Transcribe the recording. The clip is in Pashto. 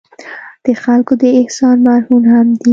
د خلکو د احسان مرهون هم دي.